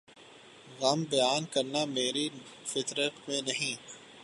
غم بیان کرنا میری فطرت میں نہیں